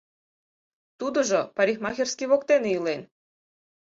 Тудыжо парикмахерский воктене илен.